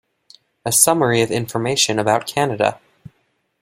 A summary of information about Canada.